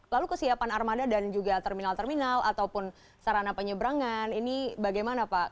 lalu kesiapan armada dan juga terminal terminal ataupun sarana penyeberangan ini bagaimana pak